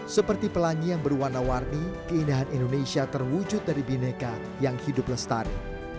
seperti pelangi yang berwarna warni keindahan indonesia terwujud dari bineka yang hidup lestari